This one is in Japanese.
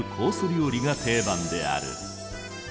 料理が定番である。